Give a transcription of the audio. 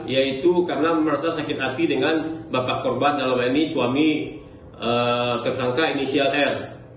yaitu karena merasa sakit hati dengan bapak korban dalam hal ini suami tersangka inisial r